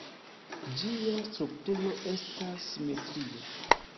Ĝia strukturo estas simetria.